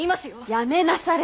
やめなされ！